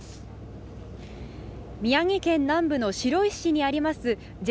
宮城県南部の白石市にあります